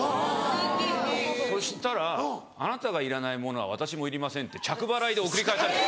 ・すてき・そしたら「あなたがいらない物は私もいりません」って着払いで送り返された。